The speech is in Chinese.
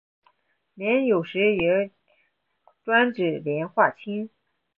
膦有时也专指磷化氢。